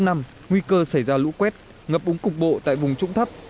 nguy cơ xảy ra lũ quét ngập úng cục bộ tại vùng trũng thấp